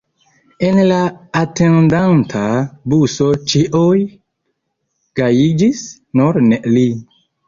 En la atendanta buso ĉiuj gajiĝis, nur ne li.